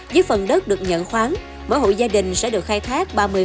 dưới phần đất được nhận khoáng mỗi hội gia đình sẽ được khai thác